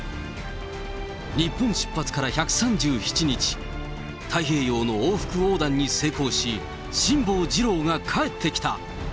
日本出発から１３７日、太平洋の往復横断に成功し、辛坊治郎が帰ってきた。